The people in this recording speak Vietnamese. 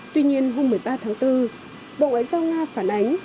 tuy nhiên hôm một mươi ba tháng bốn bộ ngoại giao nga phản ánh